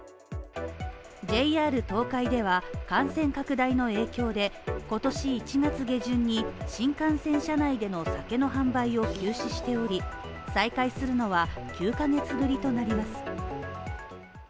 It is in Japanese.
ＪＲ東海では、感染拡大の影響で今年１月下旬に新幹線車内での酒の販売を休止しており、再開するのは９ヶ月ぶりとなります。